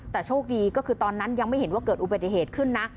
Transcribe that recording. แต่โชคดีก็คือตอนนั้นยังไม่เห็นว่าเกิดอุบัติเหตุขึ้นนะ